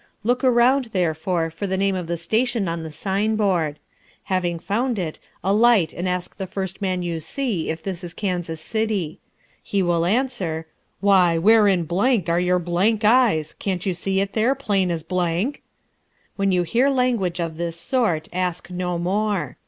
Look around, therefore, for the name of the station on the signboard. Having found it, alight and ask the first man you see if this is Kansas City. He will answer, "Why, where in blank are your blank eyes? Can't you see it there, plain as blank?" When you hear language of this sort, ask no more.